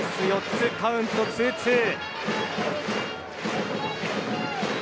４つカウントはツーツー。